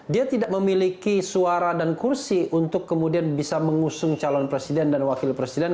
dia tidak memiliki suara dan kursi untuk kemudian bisa mengusung calon presiden dan wakil presiden